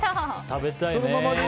食べたいね。